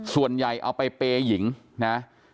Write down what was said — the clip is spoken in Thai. ส่วนใหญ่เอาไปเปย์หญิงนะ